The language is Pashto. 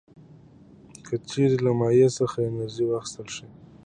که چیرې له مایع څخه انرژي واخیستل شي.